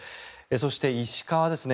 そして石川ですね。